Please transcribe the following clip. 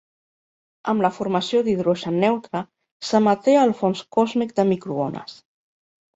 Amb la formació d'hidrogen neutre, s'emeté el fons còsmic de microones.